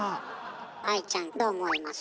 愛ちゃんどう思います？